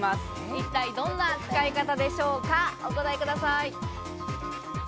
一体どんな使い方でしょうか、お答えください。